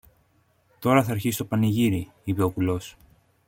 Τώρα θ' αρχίσει το πανηγύρι, είπε ο κουλός.